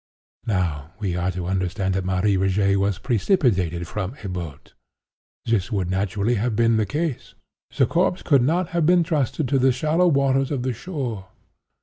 Now we are to understand that Marie Rogêt was precipitated from a boat. This would naturally have been the case. The corpse could not have been trusted to the shallow waters of the shore.